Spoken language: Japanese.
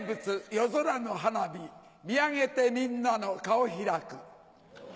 夜空の花火見上げてみんなの顔開く。